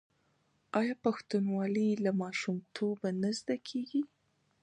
آیا پښتونولي له ماشومتوبه نه زده کیږي؟